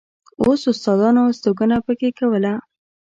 اوس استادانو استوګنه په کې کوله.